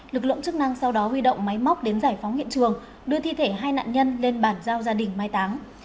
lực lượng chức năng sau đó huy động máy móc đến giải phóng hiện trường đưa thi thể hai nạn nhân lên bàn giao gia đình mai táng